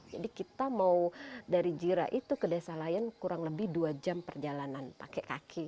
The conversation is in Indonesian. jadi kita mau dari jira itu ke desa layan kurang lebih dua jam perjalanan pakai kaki